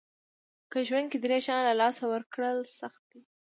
که ژوند کې درې شیان له لاسه ورکړل سخت دي.